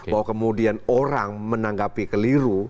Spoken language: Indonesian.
bahwa kemudian orang menanggapi keliru